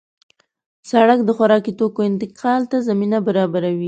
سړک د خوراکي توکو انتقال ته زمینه برابروي.